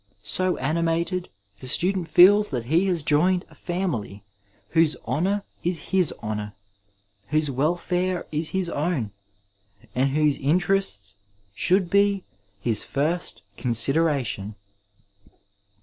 So animated, the student feels that he has joined a family whose honour is his honour, whose welfare is his own, and whose interests should be his first considera tion.